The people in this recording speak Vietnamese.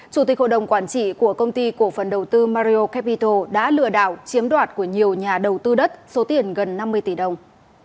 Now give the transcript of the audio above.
chủ tịch hội đồng quản trị của công ty cổ phần đầu tư mario capital đã lừa đảo chiếm đoạt của nhiều nhà đầu tư đất số tiền gần năm mươi tỷ đồng